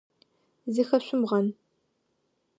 Зыхэшъумгъэн.